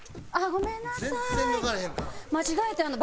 ごめんなさい。